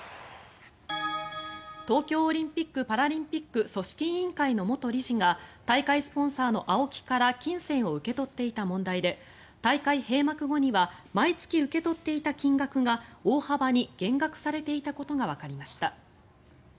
東京オリンピック・パラリンピック組織委員会の元理事が大会スポンサーのＡＯＫＩから金銭を受け取っていた問題で大会閉幕後には毎月受け取っていた金額が大幅に減額されていたことがわかりました。